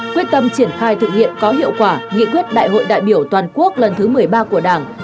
quyết tâm triển khai thực hiện có hiệu quả nghị quyết đại hội đại biểu toàn quốc lần thứ một mươi ba của đảng